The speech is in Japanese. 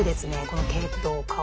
この系統顔。